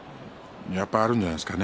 やっぱりあるんじゃないですかね。